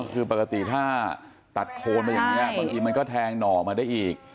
คือปกติถ้าตัดโคนมาอย่างนี้บางทีมันก็แทงหน่อมาได้อีก